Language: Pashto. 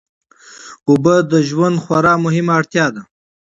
اوبه د ژوند خورا مهمه اړتیا ده.